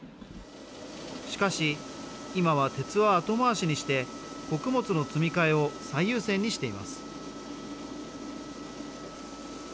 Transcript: しかし、今は鉄は後回しにして穀物の積み替えを最優先にしています。